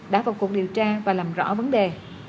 đã vào cuộc điều tra và làm rõ vấn đề